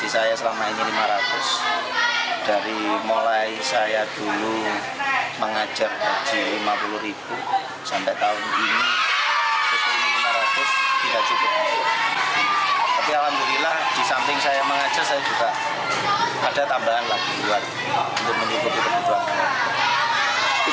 saya juga ada tambahan lagi untuk mengikut kekejuan